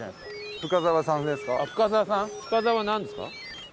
深澤なんですか？